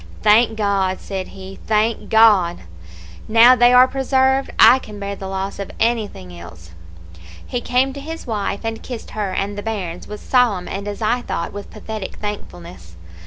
"'Thank God!' said he, 'thank God! Now they are preserved, I can bear the loss of anything else!' "He came to his wife, and kissed her and the bairns with solemn, and, as I thought, with pathetic thankfulness.